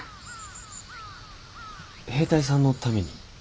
兵隊さんのために？